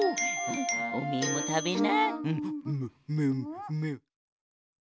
おめえもたべな。